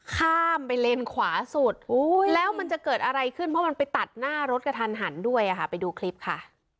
ข้ามไปเลนขวาสุดแล้วมันจะเกิดอะไรขึ้นเพราะมันไปตัดหน้ารถกระทันหันด้วยค่ะไปดูคลิปค่ะ